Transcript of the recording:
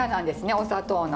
お砂糖の。